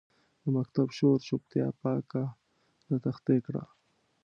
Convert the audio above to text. د مکتب شور چوپتیا پاکه د تختې کړه